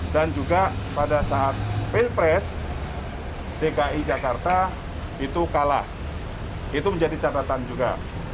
dan juga pada saat pilpres dki jakarta itu kalah itu menjadi catatan juga